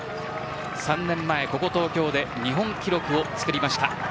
３年前、この東京で日本記録をつくりました。